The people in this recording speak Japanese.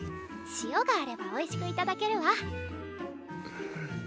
塩があればおいしく頂けるわ。